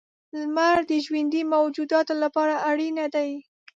• لمر د ژوندي موجوداتو لپاره اړینه دی.